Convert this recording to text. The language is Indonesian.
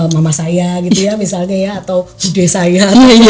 mama saya gitu ya misalnya ya atau cude saya